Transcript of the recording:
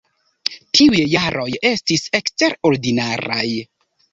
Tiuj jaroj estis eksterordinaraj.